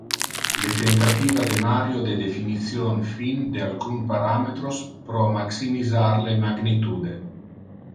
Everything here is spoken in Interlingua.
Le tentativa de Mario de definition fin de alcun parametros pro maximisar le magnitude.